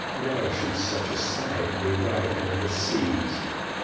Why should such a sight be whitening the seas?